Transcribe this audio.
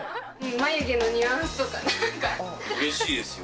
眉毛のニュアンスとか、うれしいですよ。